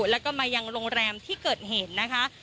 แล้วก็มายังโรงแรมที่เกิดเหตุนะคะ